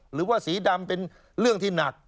หรือว่าสีดำเป็นเรื่องที่หนัก